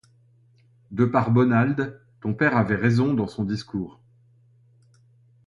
De par Bonald, ton père avait raison dans son discours.